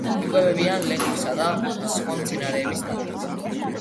იკვებებიან ლეღვისა და სხვა მცენარეების ნაყოფით.